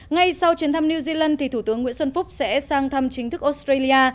ngay sau chuyến thăm new zealand thủ tướng nguyễn xuân phúc sẽ sang thăm chính thức australia